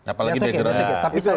apalagi beda gerakan